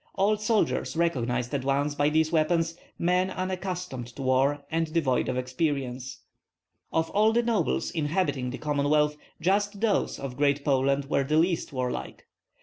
Old soldiers recognized at once by these weapons men unaccustomed to war and devoid of experience. Of all the nobles inhabiting the Commonwealth just those of Great Poland were the least warlike.